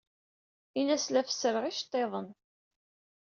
Ini-as la fessreɣ iceḍḍiḍen.